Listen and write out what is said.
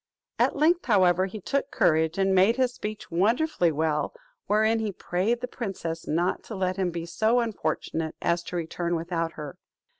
At length, however, he took courage, and made his speech wonderfully well; wherein he prayed the princess not to let him be so unfortunate as to return without her.